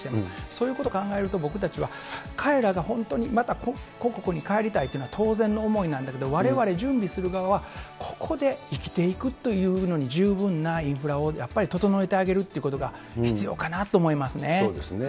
そういうことを考えると、僕たちは彼らが本当に、また母国に帰りたいという思いは当然の思いなんだけど、われわれ準備する側は、ここで生きていくというのに十分なインフラをやっぱり整えてあげるということが必要かなと思いますね。